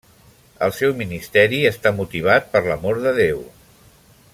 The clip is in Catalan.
El seu ministeri està motivat per l'amor de Déu.